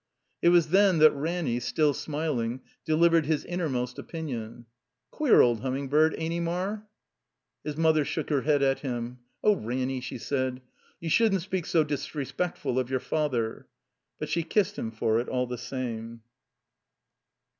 It was then that Ranny, still smil ing, delivered his innermost opinion. ''Queer old Humming bird. Ain't he. Mar?" His mother shook her head at him. "Oh, Ranny, *' she said, "you shouldn't speak so disrespectful of your father." But she kissed him for it, all the same.